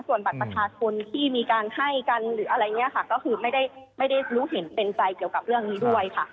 ส่วนบัตรประชาชนที่มีการให้กันหรืออะไรอย่างนี้ค่ะก็คือไม่ได้รู้เห็นเป็นใจเกี่ยวกับเรื่องนี้ด้วยค่ะ